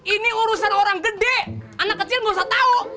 ini urusan orang gede anak kecil gak usah tau